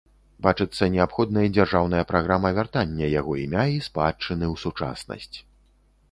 Бачыцца неабходнай дзяржаўная праграма вяртання яго імя і спадчыны ў сучаснасць.